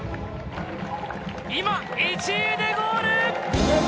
今１位でゴール！